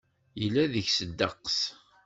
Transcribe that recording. Yella deg-s ddeqs.